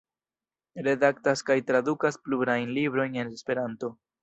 Redaktas kaj tradukas plurajn librojn en Esperanto.